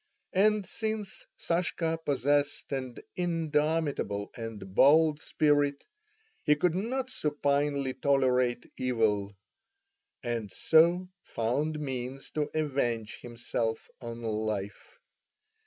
And since Sashka possessed an indomitable and bold spirit, he could not supinely tolerate evil, and so found means to avenge himself on life.